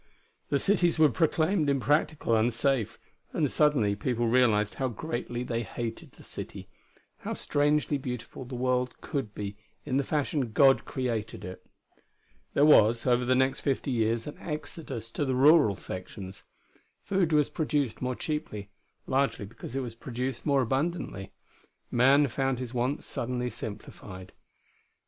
The cities were proclaimed impractical, unsafe. And suddenly the people realized how greatly they hated the city; how strangely beautiful the world could be in the fashion God created it.... There was, over the next fifty years, an exodus to the rural sections. Food was produced more cheaply, largely because it was produced more abundantly. Man found his wants suddenly simplified.